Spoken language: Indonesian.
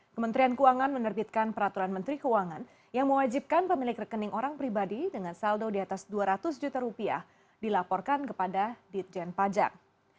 kementerian keuangan menerbitkan peraturan menteri keuangan yang mewajibkan pemilik rekening orang pribadi dengan saldo di atas dua ratus juta rupiah dilaporkan kepada ditjen pajak